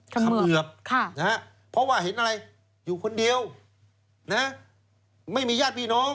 เขมือบเพราะว่าเห็นอะไรอยู่คนเดียวนะไม่มีญาติพี่น้อง